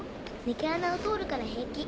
抜け穴を通るから平気。